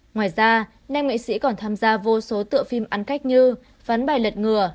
ngoài ra nam nghệ sĩ còn tham gia vô số tựa phim ăn cách như phán bài lật ngừa